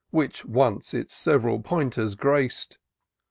Which once its several pointers grac'd.